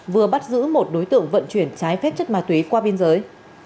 vừa bắt giữ một đối tượng vận chuyển trái phép chất ma túy qua biên giới